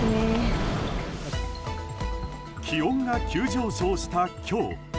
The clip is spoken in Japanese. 気温が急上昇した今日。